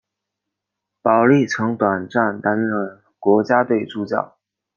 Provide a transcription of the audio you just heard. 保历曾短暂担任国家队助教。